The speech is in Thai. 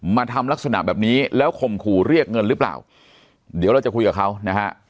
มาทำลักษณะแบบนี้แล้วข่มขู่เรียกเงินหรือเปล่าเดี๋ยวเราจะคุยกับเขานะฮะ